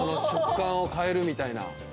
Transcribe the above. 食感を変えるみたいな。